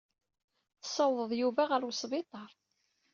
Tessawḍeḍ Yuba ɣer wesbiṭar.